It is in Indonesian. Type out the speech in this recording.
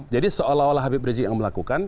jadi seolah olah habib rizik yang melakukan